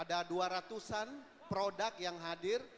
ada dua ratus an produk yang hadir